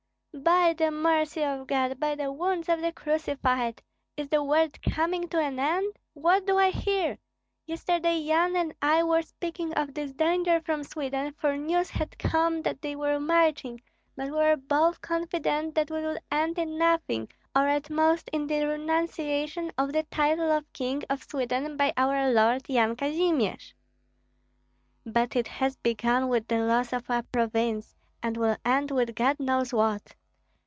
"By the mercy of God, by the wounds of the Crucified! Is the world coming to an end? What do I hear! Yesterday Yan and I were speaking of this danger from Sweden, for news had come that they were marching; but we were both confident that it would end in nothing, or at most in the renunciation of the title of King of Sweden by our lord, Yan Kazimir." "But it has begun with the loss of a province, and will end with God knows what."